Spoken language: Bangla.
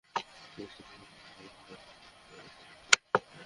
সিইসি নির্বাচন টাকার খেলায় পরিণত হয়েছে বলেই দায়িত্ব শেষ করতে পারেন না।